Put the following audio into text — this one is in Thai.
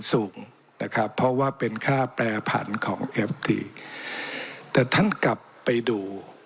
สูงนะครับเพราะว่าเป็นค่าแปรผันของเอฟทีแต่ท่านกลับไปดู